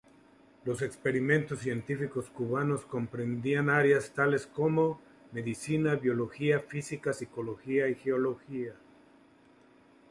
Los experimentos científicos cubanos comprendían áreas tales como: medicina, biología, física, psicología y geología.